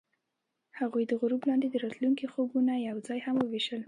هغوی د غروب لاندې د راتلونکي خوبونه یوځای هم وویشل.